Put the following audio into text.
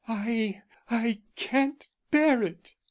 "I I can't bear it."